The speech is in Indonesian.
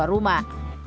hanya keluar rumah